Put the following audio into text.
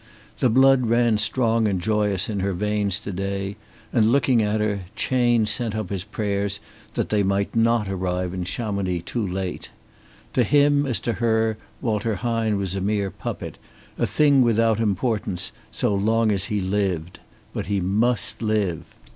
The blood ran strong and joyous in her veins to day; and looking at her, Chayne sent up his prayers that they might not arrive in Chamonix too late. To him as to her Walter Hine was a mere puppet, a thing without importance so long as he lived. But he must live.